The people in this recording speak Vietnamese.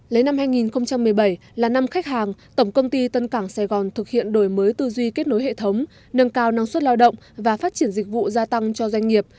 lấy năm hai nghìn một mươi bảy là năm khách hàng tổng công ty tân cảng sài gòn thực hiện đổi mới tư duy kết nối hệ thống nâng cao năng suất lao động và phát triển dịch vụ gia tăng cho doanh nghiệp